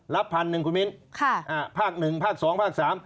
พันหนึ่งคุณมิ้นภาคหนึ่งภาคสองภาคสาม